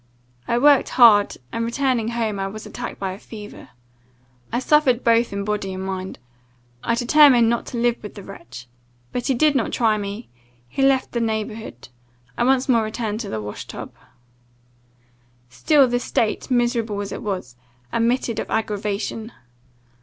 I worked hard; and, returning home, I was attacked by a fever. I suffered both in body and mind. I determined not to live with the wretch. But he did not try me; he left the neighbourhood. I once more returned to the wash tub. "Still this state, miserable as it was, admitted of aggravation.